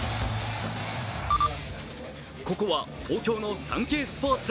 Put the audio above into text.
ここは東京の「サンケイスポーツ」